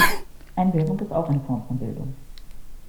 Einbildung ist auch eine Form von Bildung.